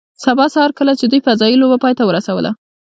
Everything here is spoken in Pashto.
سبا سهار کله چې دوی فضايي لوبه پای ته ورسوله